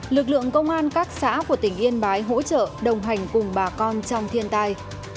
lực lượng công an các xã của tỉnh yên bái hỗ trợ đồng hành cùng bà con trong thiên tai